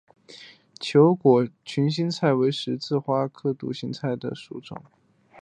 球果群心菜为十字花科独行菜属的植物。